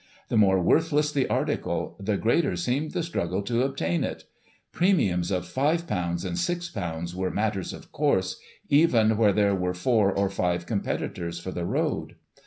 The more worthless the article, the greater seemed the struggle to obtain it. Premiums of £s and £6 were matters of course, even where there were four or five competitors for the road.